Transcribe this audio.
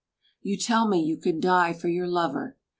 You tell me you could die for your lover.